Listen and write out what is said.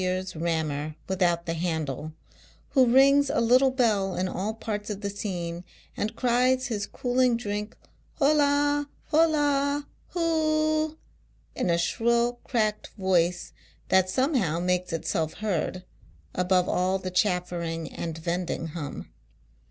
iur's rammer without the handle, who rings a little bell in all parts oi'tlie scene, and fries hi.s cooling drink IJola, liola, U.o o o ! in a shrill cracked voice that somehow makes nl. above all the chaffering and vending hum.